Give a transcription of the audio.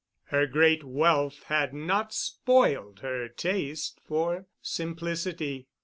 Her great wealth had not spoiled her taste for simplicity.